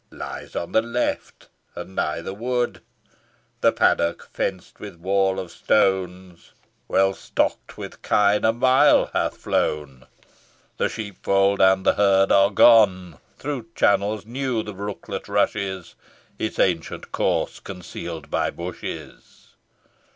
Lies on the left, and nigh the wood; The paddock fenced with wall of stone, Wcll stock'd with kine, a mile hath flown, The sheepfold and the herd are gone. Through channels new the brooklet rushes, Its ancient course conceal'd by bushes.